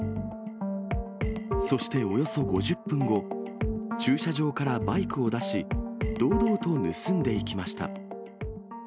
そしておよそ５０分後、駐車場からバイクを出し、堂々と盗んでいきました。